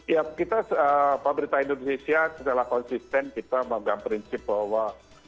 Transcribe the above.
ya kita pemerintah indonesia secara konsisten kita memegang prinsip bahwa